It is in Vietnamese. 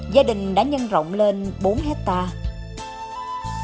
gia đình đã nhân rộng lên bốn hectare